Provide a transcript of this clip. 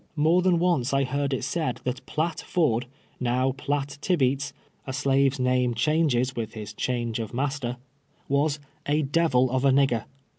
More than once I heard it said that Piatt Ford, now Piatt Tibeats — a slave's name changes v.'ith his change of master — was " a devil of a nigger."